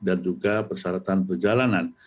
dan juga persyaratan perjalanan